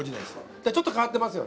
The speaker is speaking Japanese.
ちょっと変わってますよね。